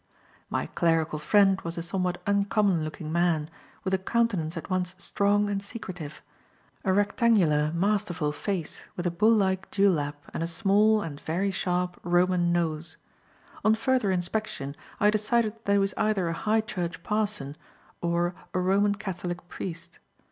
My clerical friend was a somewhat uncommon looking man, with a countenance at once strong and secretive; a rectangular, masterful face, with a bull like dew lap and a small, and very sharp, Roman nose. On further inspection, I decided that he was either a High Church parson or a Roman Catholic priest.